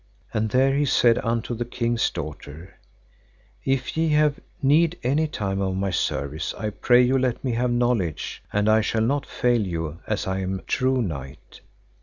And there he said unto the king's daughter, If ye have need any time of my service I pray you let me have knowledge, and I shall not fail you as I am true knight.